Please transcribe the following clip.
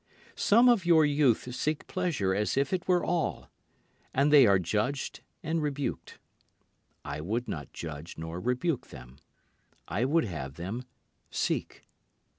Some of your youth seek pleasure as if it were all, and they are judged and rebuked. I would not judge nor rebuke them. I would have them seek.